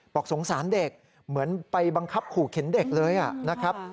สงสารเด็กเหมือนไปบังคับขู่เข็นเด็กเลยนะครับ